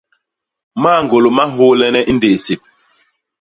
Mañgôlô ma nhôôlene ndéé sép.